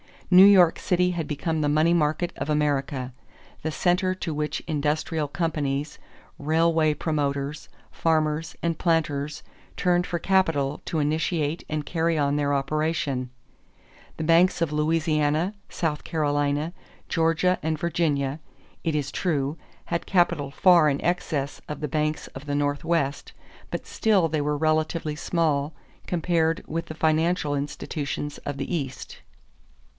New York City had become the money market of America, the center to which industrial companies, railway promoters, farmers, and planters turned for capital to initiate and carry on their operations. The banks of Louisiana, South Carolina, Georgia, and Virginia, it is true, had capital far in excess of the banks of the Northwest; but still they were relatively small compared with the financial institutions of the East.